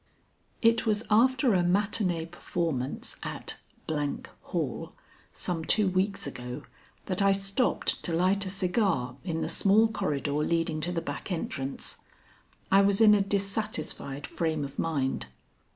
It was after a matinée performance at Hall some two weeks ago that I stopped to light a cigar in the small corridor leading to the back entrance. I was in a dissatisfied frame of mind.